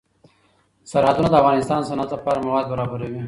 سرحدونه د افغانستان د صنعت لپاره مواد برابروي.